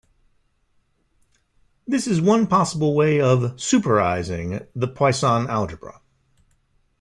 This is one possible way of "super"izing the Poisson algebra.